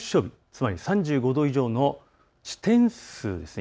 つまり３５度以上の地点数です。